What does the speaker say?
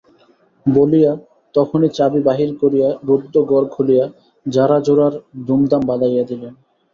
বলিয়া তখনই চাবি বাহির করিয়া রুদ্ধ ঘর খুলিয়া ঝাড়াঝোড়ার ধুমধাম বাধাইয়া দিলেন।